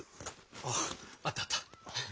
あああったあった！